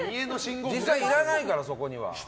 実際いらないから、そこには。